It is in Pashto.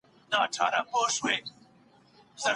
چي مخ یې تور وي له ګناهونو